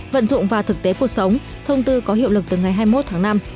vận dụng và thực tế cuộc sống thông tư có hiệu lực từ ngày hai mươi một tháng năm